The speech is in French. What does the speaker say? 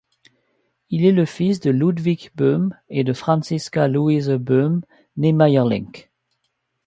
Il est le fils de Ludwig Böhm et de Franziska Louise Böhm née Meyerlinck.